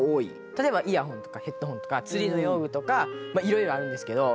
たとえばイヤホンとかヘッドホンとかつりの用具とかいろいろあるんですけど。